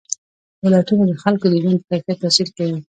ولایتونه د خلکو د ژوند په کیفیت تاثیر کوي.